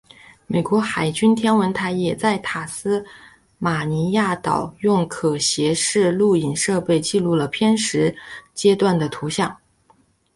美国海军天文台也在塔斯马尼亚岛用可携式录影设备记录了偏食阶段的图像。